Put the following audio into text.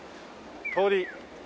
通り。